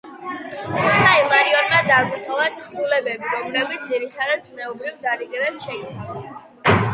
ღირსმა ილარიონმა დაგვიტოვა თხზულებები, რომლებიც ძირითადად ზნეობრივ დარიგებებს შეიცავს.